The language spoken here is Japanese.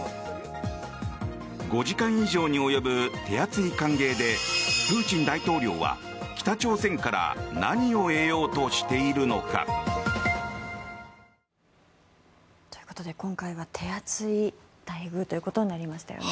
５時間以上に及ぶ手厚い歓迎でプーチン大統領は北朝鮮から何を得ようとしているのか。ということで、今回は手厚い待遇ということになりましたよね。